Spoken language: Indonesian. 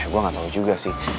gue gak tau juga sih